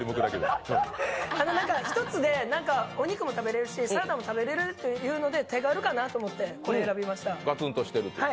１つでお肉も食べれるし、サラダも食べれるということで手軽かなと思ってこれ、選びました。